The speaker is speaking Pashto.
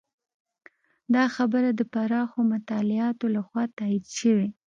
دا خبره د پراخو مطالعاتو لخوا تایید شوې.